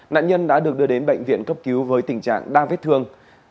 nạn nhân đã được đưa đến bệnh viện cấp cứu với tình trạng đang vết thương